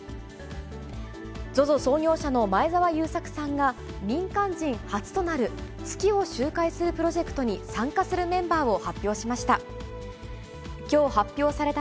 ＺＯＺＯ創業者の前澤友作さんが、民間人初となる月を周回するプロジェクトに参加するメンバーを発表しました。